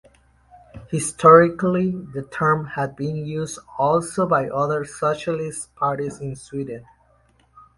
Historically the term had been used also by other socialist parties in Sweden.